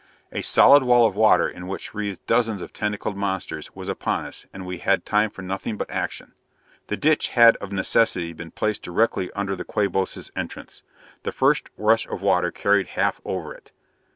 A solid wall of water, in which writhed dozens of tentacled monsters, was upon us, and we had time for nothing but action. The ditch had of necessity been placed directly under the Quabos' entrance. The first rush of water carried half over it.